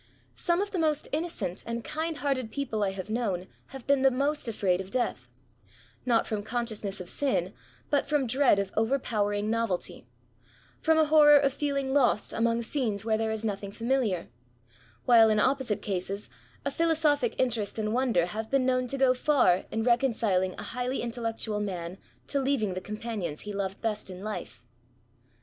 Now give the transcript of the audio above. Some of the most innocent and kind hearted people I haye known haye been the most afraid of deaths — ^not from consciousness of sin, but from dread of oyerpowering noyelty — from a horror of feeling lost among scenes where there is nothing familiar ; while^ in opposite cases, a phi losophic interest and wonder haye been known to go far in reconciling a highly intellectual man to leaying the companions he loyed best in life.